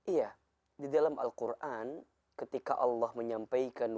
iya di dalam alquran ketika allah menyampaikan